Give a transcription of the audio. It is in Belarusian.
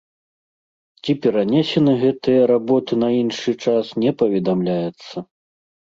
Ці перанесены гэтыя работы на іншы час, не паведамляецца.